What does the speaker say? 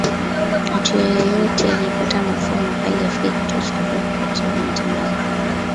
Mtu yoyote akipata mafua makali afike kituo cha afya kupatiwa matibabu